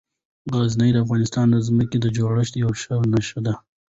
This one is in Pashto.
غزني د افغانستان د ځمکې د جوړښت یوه ښه نښه ده.